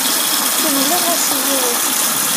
Kemmleɣ-as i yiwet.